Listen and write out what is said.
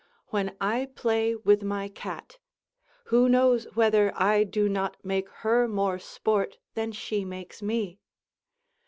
When I play with my cat who knows whether I do not make her more sport than she makes me?